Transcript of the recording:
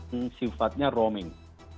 untuk menikmati layanan sifatnya roaming